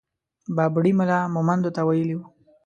بابړي ملا مهمندو ته ويلي وو.